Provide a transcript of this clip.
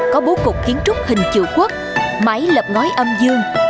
có bố cục kiến trúc hình triệu quốc máy lập ngói âm dương